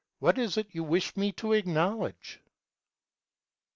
_ What is it you wish me to acknowledge?